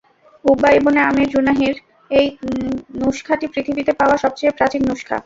Uqba ibn Amer জুহানীর এই নুসখাটি পৃথিবীতে পাওয়া সবচেয়ে প্রাচীন নুসখা।